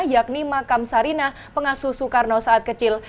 yakni makam sarina pengasuh soekarno saat kecil